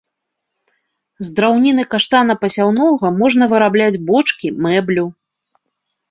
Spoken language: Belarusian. З драўніны каштана пасяўнога можна вырабляць бочкі, мэблю.